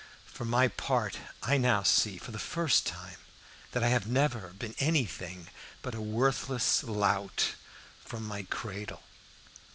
For my part I now see for the first time that I have never been anything but a worthless lout from my cradle.